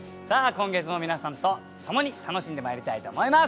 今月も皆さんと共に楽しんでまいりたいと思います。